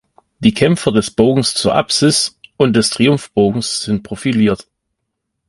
Die Kämpfer des Bogens zur Apsis und des Triumphbogens sind profiliert.